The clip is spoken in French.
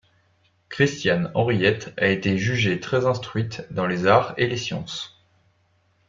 Christiane Henriette a été jugée très instruite dans les arts et les sciences.